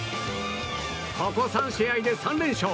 ここ３試合で３連勝。